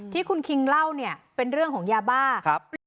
ที่คุณคิงเล่าเนี่ยเป็นเรื่องของยาบ้า